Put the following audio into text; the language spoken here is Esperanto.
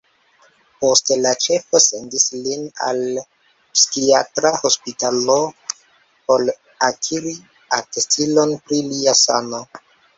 Poste la ĉefo sendis lin al psikiatra hospitalo por akiri atestilon pri lia sano.